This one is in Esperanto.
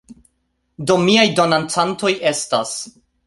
Do, miaj donacantoj estas